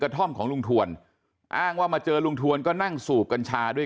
ท่อมของลุงทวนอ้างว่ามาเจอลุงทวนก็นั่งสูบกัญชาด้วย